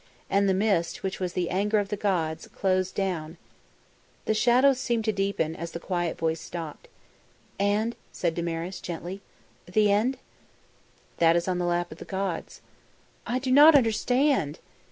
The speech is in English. And the mist, which was the anger of the gods, closed down ..." The shadows seemed to deepen as the quiet voice stopped. "And " said Damaris gently, " the end?" "That is on the lap of the gods." "I do not understand!"